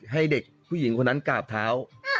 ให้เด็กผู้หญิงคนนั้นกราบเท้า